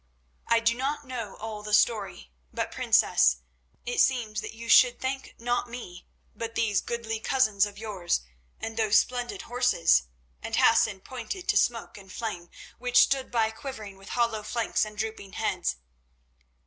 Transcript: "I do not know all the story, but, Princess, it seems that you should thank not me, but these goodly cousins of yours and those splendid horses," and Hassan pointed to Smoke and Flame, which stood by quivering, with hollow flanks and drooping heads.